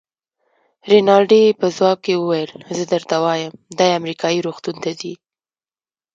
رینالډي یې په ځواب کې وویل: زه درته وایم، دی امریکایي روغتون ته ځي.